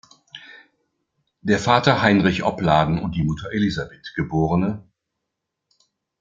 Der Vater, Heinrich Opladen und die Mutter Elisabeth, geb.